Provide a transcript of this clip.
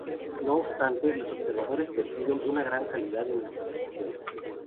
No obstante, los observadores perciben una gran calidad en las traducciones.